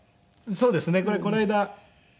そうですね。